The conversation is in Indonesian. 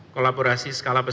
kolaborasi skala berbeda